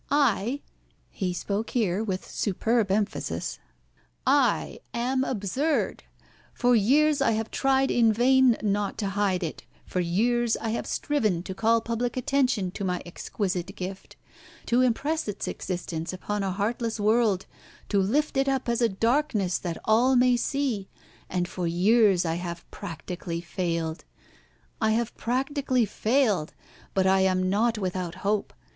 I" he spoke here with superb emphasis "I am absurd. For years I have tried in vain not to hide it. For years I have striven to call public attention to my exquisite gift, to impress its existence upon a heartless world, to lift it up as a darkness that all may see, and for years I have practically failed. I have practically failed, but I am not without hope.